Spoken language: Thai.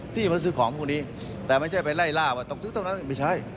ที่มาซื้อของพวกนี้แต่ไม่ใช่ไปไล่ล่าว่าต้องซื้อตรงนั้นไม่ใช่